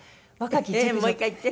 もう１回言って。